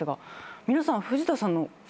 皆さん藤田さんの存在